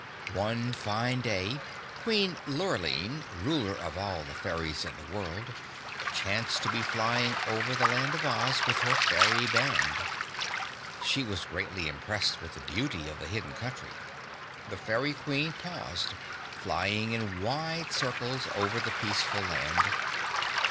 One fine day Queen Lurline, Ruler of all the fairies in the world, chanced to be flying over the Land of Oz with her fairy band. She was greatly impressed with the beauty of the hidden country. The Fairy Queen paused, flying in wide circles over the peaceful land.